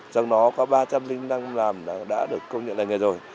trong đó có ba trăm năm mươi làng đã được công nhận là nghề rồi